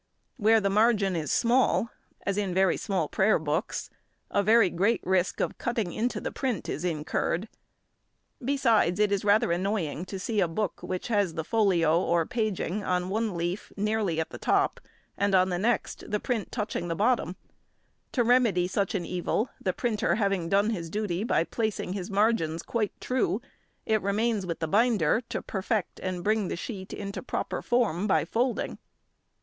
Where the margin is small, as in very small prayer books, a very great risk of cutting into the print is incurred; besides, it is rather annoying to see a book which has the folio or paging on one leaf nearly at the top, and on the next, the print touching the bottom; to remedy such an evil, the printer having done his duty by placing his margins quite true, it remains with the binder to perfect and bring the sheet into proper form by folding.